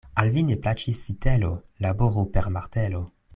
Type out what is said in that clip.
Al vi ne plaĉis sitelo, laboru per martelo.